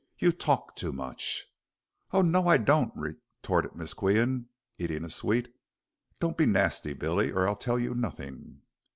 You talk too much." "Oh, no, I don't," retorted Miss Qian, eating a sweet. "Don't be nasty, Billy, or I'll tell you nothing."